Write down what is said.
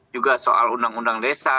juga soal undang undang desa